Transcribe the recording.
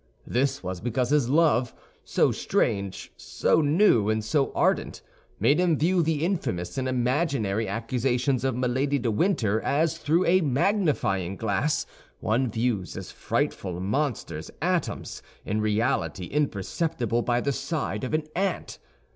This was because his love, so strange, so new, and so ardent, made him view the infamous and imaginary accusations of Milady de Winter as, through a magnifying glass, one views as frightful monsters atoms in reality imperceptible by the side of an ant.